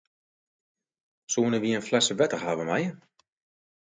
Soenen wy in flesse wetter hawwe meie?